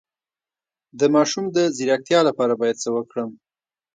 د ماشوم د ځیرکتیا لپاره باید څه وکړم؟